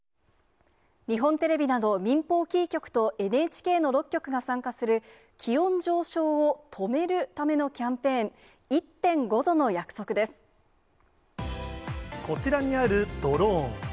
日本テレビなど、民放キー局と、ＮＨＫの６局が参加する、気温上昇を止めるためのキャンペーン、こちらにあるドローン。